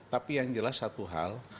tapi yang jelas satu hal